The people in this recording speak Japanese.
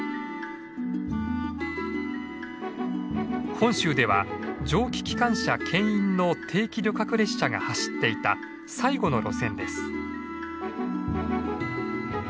本州では蒸気機関車けん引の定期旅客列車が走っていた最後の路線です。